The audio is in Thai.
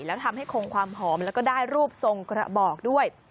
แล้วทำให้คงความหอมแล้วก็ได้รูปทรงกระบอกด้วย